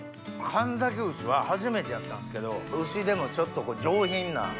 門崎丑は初めてやったんですけど牛でもちょっと上品な。